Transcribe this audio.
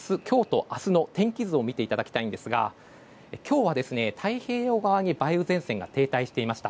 今日と明日の天気図を見ていただきたいんですが今日は太平洋側に梅雨前線が停滞していました。